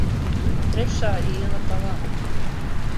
Trešā iela pa labi.